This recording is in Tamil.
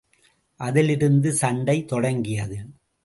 அதிலிருந்து சண்டை தொடங்கியது.